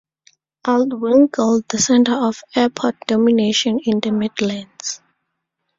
Aldwincle the centre of airport domination in the Midlands.